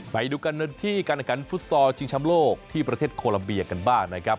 ไปดูกันที่กรรมการฟุษศชิงชำโลกที่ประเทศโคลิมบีอย่างกันบ้างนะครับ